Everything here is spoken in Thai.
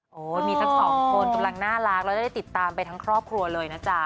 โหมีสักสองคนกำลังหน้ารักใส่ติดตามไปทั้งครอบครัวเลยนะจ๊ะ